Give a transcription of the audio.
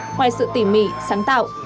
ngoài sự tỉ mỉ sáng tạo